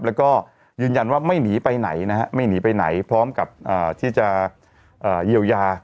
แล้วก็ยืนยันว่าไม่หนีไปไหนนะฮะไม่หนีไปไหนพร้อมกับที่จะเยียวยา